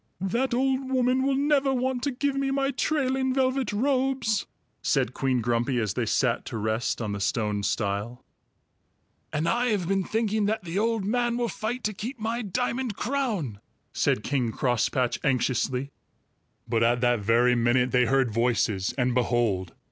"That old woman will never want to give me my trailing velvet robes," said Queen Grumpy, as they sat to rest on the stone stile. "And I have been thinking that the old man will fight to keep my diamond crown," said King Crosspatch anxiously. But at that very minute they heard voices, and behold!